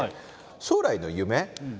将来の夢。